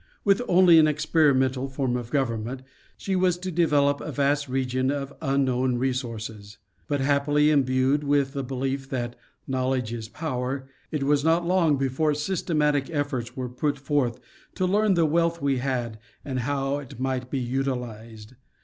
With only an experimental form of government, she was to develop a vast region of unknown resources ; but © happily imbued with the belief that "knowledge is power," it was not long before systematic efforts were put forth to learn the wealth we had and how it might be utilized.